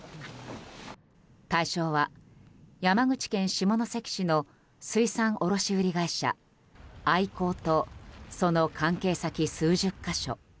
対象は、山口県下関市の水産卸売会社アイコーとその関係先、数十か所。